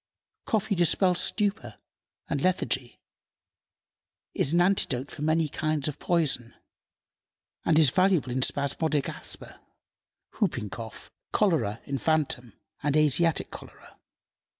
Coffee dispels stupor and lethargy, is an antidote for many kinds of poison, and is valuable in spasmodic asthma, hooping cough, cholera infantum, and Asiatic cholera.